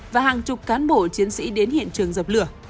và hàng chục cán bộ chiến sĩ đến hiện trường dập lửa